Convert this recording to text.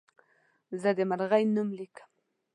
زه د مرغۍ نوم لیکم.